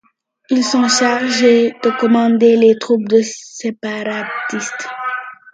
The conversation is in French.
Ils sont chargés de commander les troupes des Séparatistes.